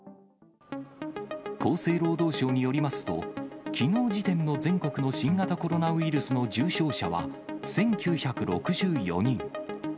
厚生労働省によりますと、きのう時点の全国の新型コロナウイルスの重症者は、１９６４人。